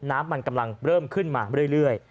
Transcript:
น้ำมันกำลังเริ่มขึ้นมาเรื่อย